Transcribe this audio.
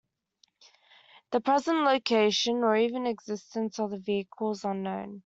The present location, or even existence, of the vehicle is unknown.